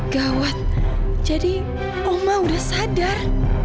gawat jadi oma udah sadar